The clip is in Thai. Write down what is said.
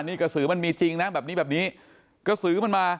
นี่กระสือมันมีจริงนะแบบนี้แบบนี้กระสือมันมา